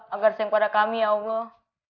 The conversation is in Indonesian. agar sayang pada kami ya allah